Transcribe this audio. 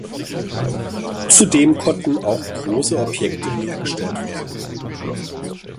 Zudem konnten auch große Objekte hergestellt werden.